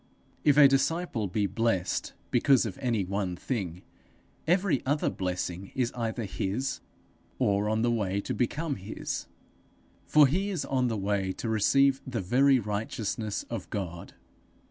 If a disciple be blessed because of any one thing, every other blessing is either his, or on the way to become his; for he is on the way to receive the very righteousness of God.